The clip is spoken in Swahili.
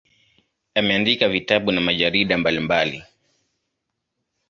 Ameandika vitabu na majarida mbalimbali.